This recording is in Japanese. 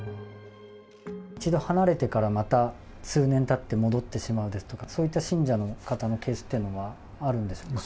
一度離れてから、また数年たって戻ってしまうですとか、そういった信者の方のケースっていうのはあるんでしょうか。